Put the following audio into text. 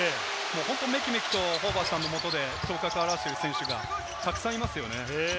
メキメキとホーバスさんの元で頭角を現している選手がたくさんいますね。